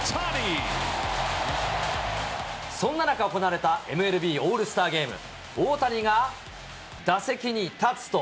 そんな中、行われたＭＬＢオールスターゲーム、大谷が打席に立つと。